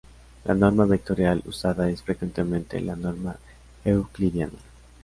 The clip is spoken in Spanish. La norma vectorial usada es frecuentemente la norma euclidiana.